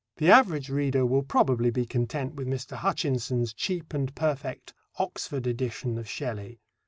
The average reader will probably be content with Mr. Hutchinson's cheap and perfect "Oxford Edition" of Shelley.